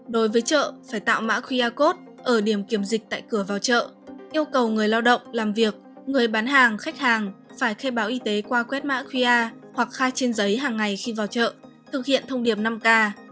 đối với chợ phải tạo mã qr code ở điểm kiểm dịch tại cửa vào chợ yêu cầu người lao động làm việc người bán hàng khách hàng phải khai báo y tế qua quét mã qr hoặc khai trên giấy hàng ngày khi vào chợ thực hiện thông điệp năm k